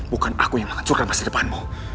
bukan aku yang menghancurkan masa depanmu